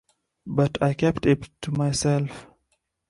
But I kept it to myself.